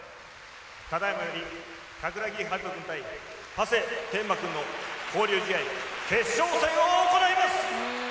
ただいまより神楽木晴くん対馳天馬くんの交流試合決勝戦を行います！